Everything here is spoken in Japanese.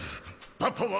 パパは。